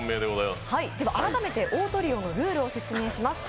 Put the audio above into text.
改めてオートリオのルールを説明します。